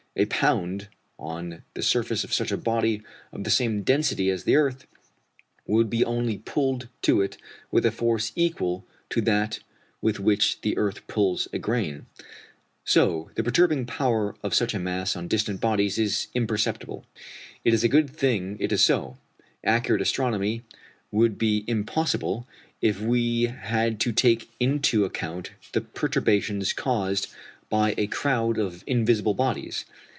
A pound, on the surface of such a body of the same density as the earth, would be only pulled to it with a force equal to that with which the earth pulls a grain. So the perturbing power of such a mass on distant bodies is imperceptible. It is a good thing it is so: accurate astronomy would be impossible if we had to take into account the perturbations caused by a crowd of invisible bodies.